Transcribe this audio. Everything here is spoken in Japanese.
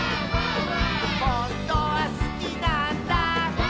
「ほんとはすきなんだ」